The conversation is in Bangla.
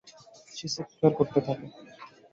সে চিৎকার করতে থাকে।